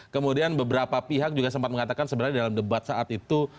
kemudian beberapa pihak juga sempat mengatakan sebenarnya dalam debat saat itu